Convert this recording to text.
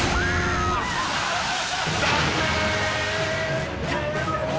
［残念！］